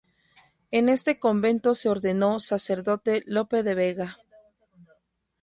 En este convento se ordenó sacerdote Lope de Vega.